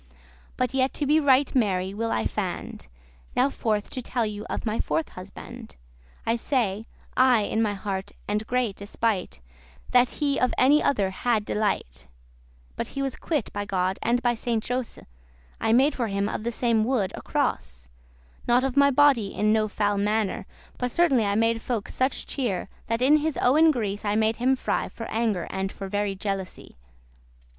But yet to be right merry will I fand.* *try Now forth to tell you of my fourth husband, I say, I in my heart had great despite, That he of any other had delight; But he was quit,* by God and by Saint Joce:<21> *requited, paid back I made for him of the same wood a cross; Not of my body in no foul mannere, But certainly I made folk such cheer, That in his owen grease I made him fry For anger, and for very jealousy.